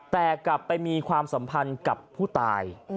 แต่กลับไปมีความสัมพันธ์กับผู้ตาย